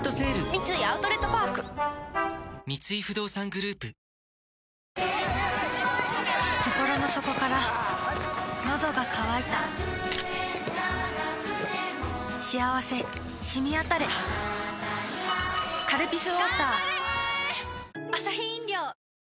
三井アウトレットパーク三井不動産グループこころの底からのどが渇いた「カルピスウォーター」頑張れー！